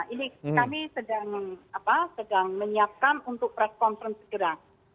ini kami sedang menyiapkan untuk press conference segera